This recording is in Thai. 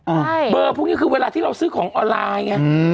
ใช่เบอร์พวกนี้คือเวลาที่เราซื้อของออนไลน์ไงอืม